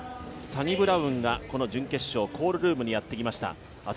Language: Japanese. サニブラウンがこの準決勝、コールルームにやってきました。